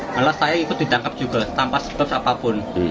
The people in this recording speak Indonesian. malah saya ikut ditangkap juga tanpa sebab apapun